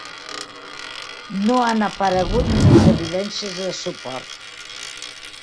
No han aparegut més evidències de suport.